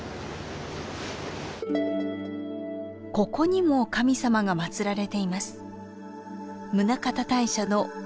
ここにも神様が祀られています。